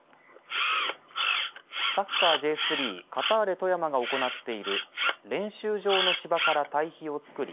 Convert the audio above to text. サッカーＪ３カターレ富山が行っている練習場の芝から堆肥を作り